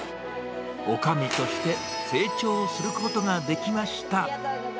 おかみとして成長することができました。